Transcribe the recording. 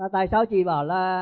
tại sao chị bảo là